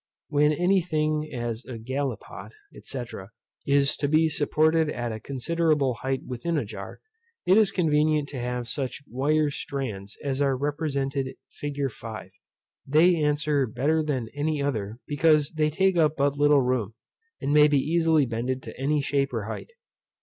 When any thing, as a gallipot, &c. is to be supported at a considerable height within a jar, it is convenient to have such wire stands as are represented fig. 5. They answer better than any other, because they take up but little room, and may be easily bended to any shape or height.